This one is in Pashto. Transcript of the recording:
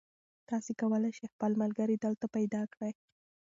تاسي کولای شئ خپل ملګري دلته پیدا کړئ.